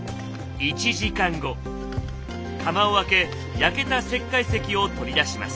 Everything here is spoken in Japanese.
窯を開け焼けた石灰石を取り出します。